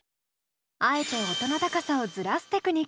あえて音の高さをずらすテクニック。